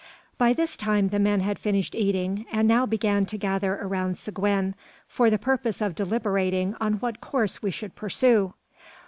By this time the men had finished eating, and now began to gather around Seguin, for the purpose of deliberating on what course we should pursue.